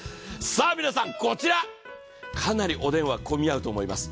皆さんこちら、かなりお電話混み合うと思います。